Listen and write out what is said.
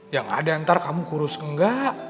yang ada ntar kamu kurus enggak